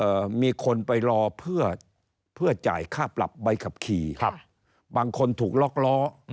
มีคนไปรอเพื่อเพื่อจ่ายค่าปรับใบขับขี่ครับบางคนถูกล็อกล้อ